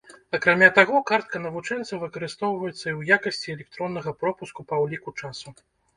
Акрамя таго, картка навучэнца выкарыстоўваецца і ў якасці электроннага пропуску па ўліку часу.